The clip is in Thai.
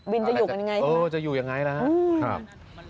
บินจะอยู่กันอย่างไรครับเออจะอยู่อย่างไรล่ะครับ